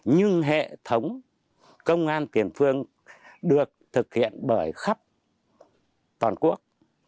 nhưng hệ thống công an tiền phương được thực hiện bởi khắp toàn quốc